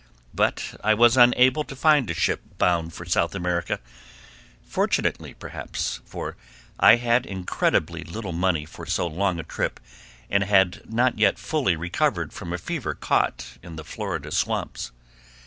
But I was unable to find a ship bound for South America—fortunately perhaps, for I had incredibly little money for so long a trip and had not yet fully recovered from a fever caught in the Florida swamps.